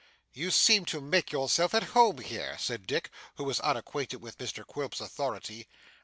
'You seem to make yourself at home here,' said Dick, who was unacquainted with Mr Quilp's authority.